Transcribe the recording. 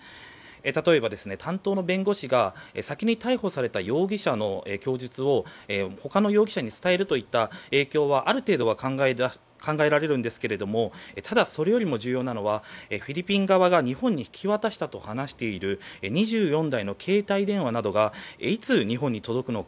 例えば、担当の弁護士が先に逮捕された容疑者の供述を他の容疑者に伝えるといった影響はある程度は考えられるんですけどただ、それよりも重要なのはフィリピン側が日本に引き渡したと話している２４台の携帯電話などがいつ日本に届くのか。